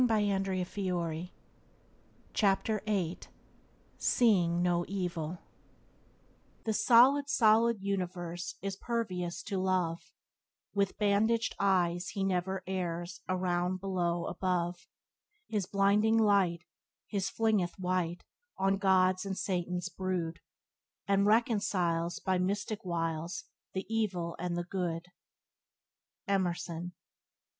Byways to Blessedness by James Allen 39 Seeing No Evil "The solid, solid universe Is pervious to love; With bandaged eyes he never errs, Around, below, above. His blinding light He flingeth white On God's and Satan's brood, And reconciles By mystic wiles The evil and the good." —Emerson.